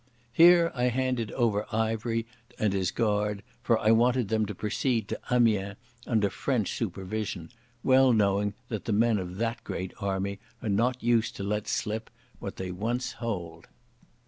Here I handed over Ivery and his guard, for I wanted them to proceed to Amiens under French supervision, well knowing that the men of that great army are not used to let slip what they once hold.